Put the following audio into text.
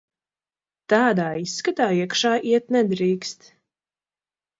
Tādā izskatā iekšā iet nedrīkst.